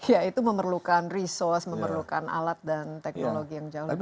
ya itu memerlukan resource memerlukan alat dan teknologi yang jauh lebih baik